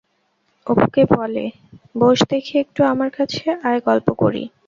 অপুকে বলে, বোস দেখি একটু আমার কাছে, আয় গল্প করি।